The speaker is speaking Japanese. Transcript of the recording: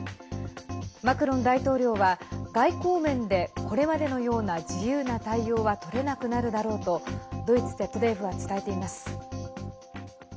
マクロン大統領は、外交面でこれまでのような自由な対応はとれなくなるだろうとドイツＺＤＦは伝えています。